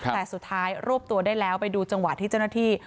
แต่สุดท้ายรวบตัวได้แล้วไปดูจังหวะที่เจ้าหน้าที่